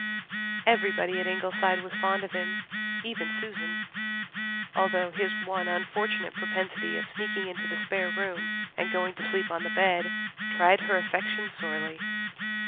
Everybody at Ingleside was fond of him, even Susan, although his one unfortunate propensity of sneaking into the spare room and going to sleep on the bed tried her affection sorely.